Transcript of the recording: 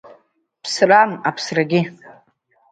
Ԥсрам аԥсрагьы…